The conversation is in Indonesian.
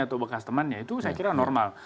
atau bekas temannya itu saya kira normal